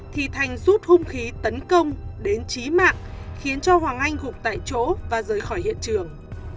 thì thành rút hung khí tấn công đến trí mạng khiến cho hoàng anh gục tại chỗ và rời khỏi hiện trường